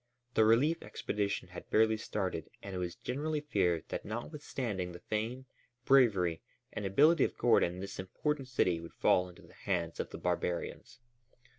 The relief expedition had barely started and it was generally feared that notwithstanding the fame, bravery, and ability of Gordon this important city would fall into the hands of the barbarians.